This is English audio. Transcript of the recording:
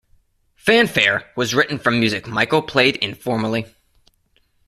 "Fanfare" was written from music Michael played informally.